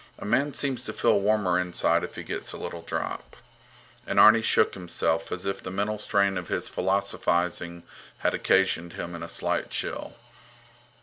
A man seems to feel warmer inside if he gets a little drop. And Arni shook himself as if the mental strain of his philosophizing had occasioned in him a slight chill.